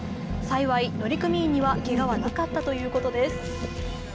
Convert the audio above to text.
幸い乗組員には、けがはなかったということです。